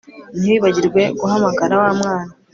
Ntiwibagirwe guhamagara wa mwana